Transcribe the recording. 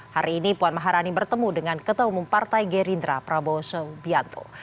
hari ini puan maharani bertemu dengan ketua umum partai gerindra prabowo subianto